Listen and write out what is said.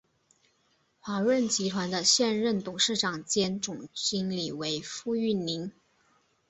华润集团的现任董事长兼总经理为傅育宁。